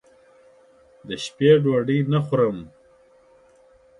دشپې ډوډۍ نه خورم